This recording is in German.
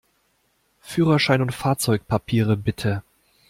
Führerschein und Fahrzeugpapiere, bitte!